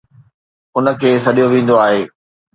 ان کي سڏيو ويندو آهي